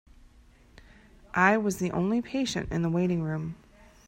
I was the only patient in the waiting room.